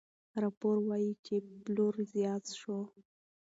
راپور وايي چې پلور زیات شو.